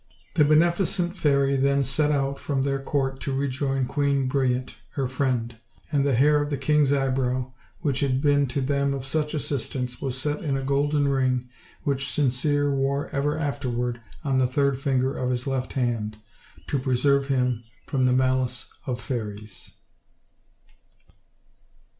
The beneficent fairy then set out from their court to rejoin Queen Brilliant, her friend; and the hair of the king's eyebrow, which had been to them of such assist ance, was set in a golden ring, which Sincere wore ever afterward on the third finger of his left hand, to preserve him from the malice of fairies.